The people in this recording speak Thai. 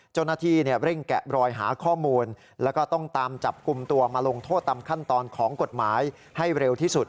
เจ้าหน้าที่เร่งแกะรอยหาข้อมูลแล้วก็ต้องตามจับกลุ่มตัวมาลงโทษตามขั้นตอนของกฎหมายให้เร็วที่สุด